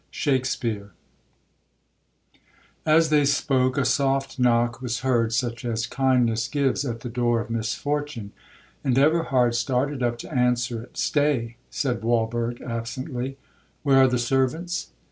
SHAKESPEARE 'As they spoke, a soft knock was heard, such as kindness gives at the door of misfortune, and Everhard started up to answer it. 'Stay,' said Walberg, absently, 'Where are the servants?'